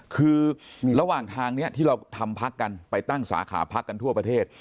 คือระหว่างทางนี้ที่เราทำพักกันไปตั้งสาขาพักกันทั่วประเทศ